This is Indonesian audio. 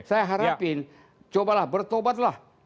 saya harapin cobalah bertobatlah